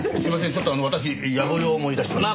ちょっと私やぼ用を思い出しまして。